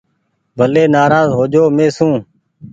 ڀلي نآراز هو جو مين سون۔